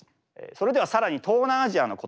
それではさらに東南アジアの言葉ですね